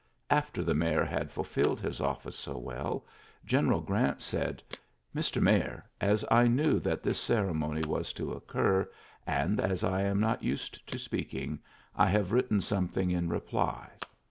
After the ms had fulfilled his office so well, G^u Grant said, ' Mr. Mayor, as I knew this ceremony was to occur, and as 1 not used to speaking, I have wri something in reply.'